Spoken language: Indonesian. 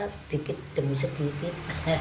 sedikit demi sedikit